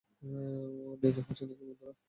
Dinner হচ্ছে নাকি, বন্ধুরা?